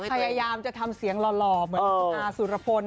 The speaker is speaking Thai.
พยายามจะทำเสียงหล่อเหมือนคุณอาสุรพล